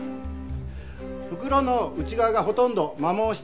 袋の内側がほとんど摩耗しておりません。